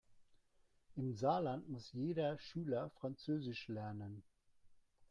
Im Saarland muss jeder Schüler französisch lernen.